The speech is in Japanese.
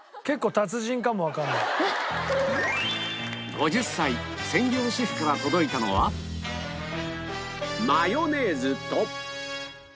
５０歳専業主婦から届いたのはマヨネーズと